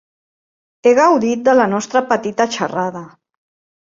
He gaudit de la nostra petita xerrada.